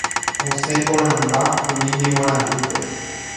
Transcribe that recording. Osẽ porãmba umi ñemoarandúpe.